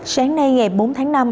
sáng nay ngày bốn tháng năm